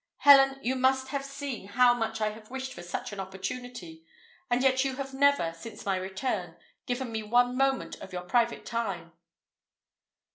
Helen, you must have seen how much I have wished for such an opportunity, and yet you have never, since my return, given me one moment of your private time."